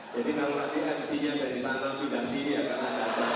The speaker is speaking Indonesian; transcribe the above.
jadi kalau nanti kan sinyal dari sana tidak sini karena dadaan